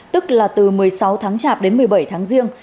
tức là từ một mươi sáu tháng chạp đến một mươi bảy tháng riêng